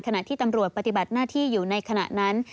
ขณะที่ตำรวจปฏิบัติหน้าที่อยู่ในขณะนั้น